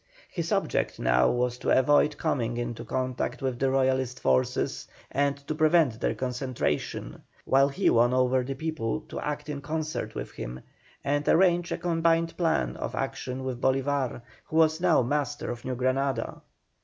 His object now was to avoid coming into contact with the Royalist forces and to prevent their concentration, while he won over the people to act in concert with him, and arranged a combined plan of action with Bolívar, who was now master of New Granada.